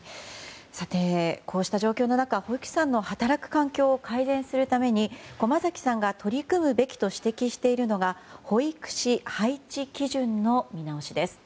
こうした状況の中保育士さんの働く環境を改善するために駒崎さんが取り組むべきと指摘しているのが保育士配置基準の見直しです。